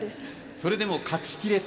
それでも勝ちきれた。